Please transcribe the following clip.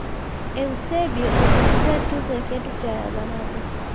eusebio alikabidhiwa tuzo ya kiatu cha dhahabu